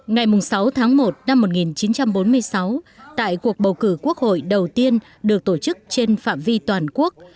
ngày sáu tháng một năm một nghìn chín trăm bốn mươi sáu tại cuộc bầu cử quốc hội đầu tiên được tổ chức trên phạm vi toàn quốc